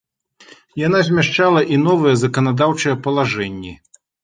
Яна змяшчала і новыя заканадаўчыя палажэнні.